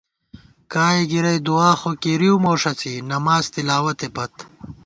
کائےگِرَئی دُعا خو کېرِؤ مو ݭڅِی ، نماڅ تِلاوَتے پت